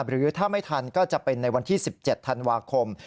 หรือถ้าไม่ทันก็จะเป็นในวันที่๑๗ธันวาคม